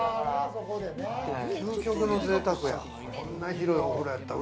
究極のぜいたくや。